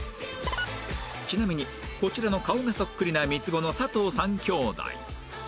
ちなみにこちらの顔がそっくりな三つ子の佐藤三兄弟